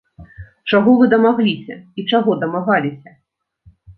Чаго вы дамагліся, і чаго дамагаліся?